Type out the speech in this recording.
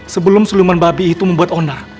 sebelum suluman babi itu membuat onar